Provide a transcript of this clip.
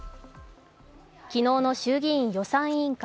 昨日の衆議院予算委員会。